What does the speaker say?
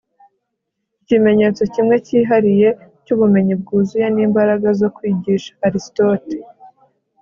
ikimenyetso kimwe cyihariye cyubumenyi bwuzuye nimbaraga zo kwigisha. - aristote